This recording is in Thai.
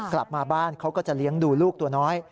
กลับมาบ้านเขาก็จะเลี้ยงดูลูกตัวน้อย